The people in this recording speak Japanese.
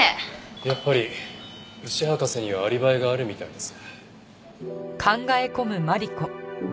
やっぱり牛博士にはアリバイがあるみたいですね。